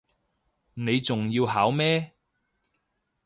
你仲要考咩